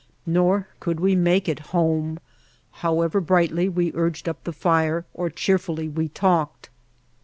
Nor could we make it home, however brightly we urged up the fire or cheerfully we talked.